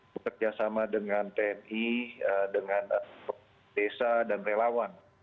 bekerja sama dengan tni dengan desa dan relawan